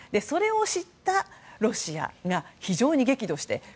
それを知ったロシアが非常に激怒して